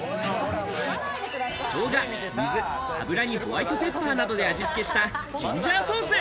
ショウガ、水、油にホワイトペッパーなどで味付けしたジンジャーソース。